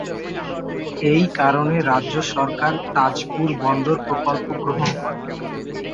এই কারণে রাজ্য সরকার তাজপুর বন্দর প্রকল্প গ্রহণ করে।